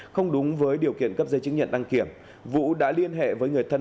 không đúng với điều kiện cấp giấy chứng nhận đăng kiểm vũ đã liên hệ với người thân